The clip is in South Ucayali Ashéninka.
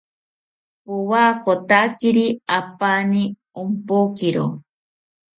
Powakotakiri apani ompokiro